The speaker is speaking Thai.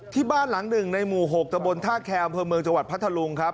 ที่บ้านหลังหนึ่งในหมู่๖ตะบนท่าแคร์อำเภอเมืองจังหวัดพัทธลุงครับ